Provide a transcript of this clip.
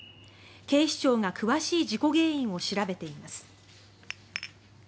警視庁が詳しい事故原因を調べています。